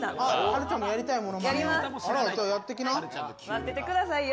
待っててくださいよ。